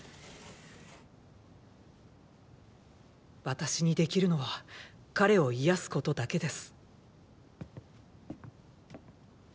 私にできるのは彼を癒やすことだけです。！